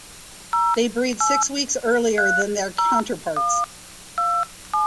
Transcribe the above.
They breed six weeks earlier than their counterparts.